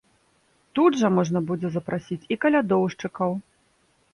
Тут жа можна будзе запрасіць і калядоўшчыкаў.